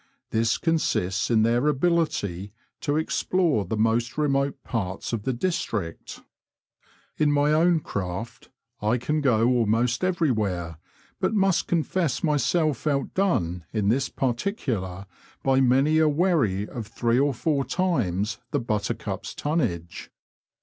This consists in their ability to explore the most remote parts of the district. In Digitized by VjOOQIC INTKODUCTORY. O my own craft I can go almost everywhere, but must confesfi myself outdone in this particular by many a wherry of three or four times the Buttercup's tonnage.